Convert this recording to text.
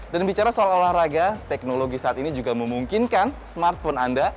dan bicara soal olahraga teknologi saat ini juga memungkinkan smartphone anda